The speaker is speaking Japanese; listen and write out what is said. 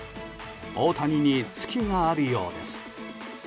大谷にツキがあるようです。